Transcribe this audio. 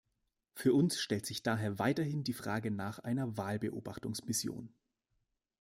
Für uns stellt sich daher weiterhin die Frage nach einer Wahlbeobachtungsmission.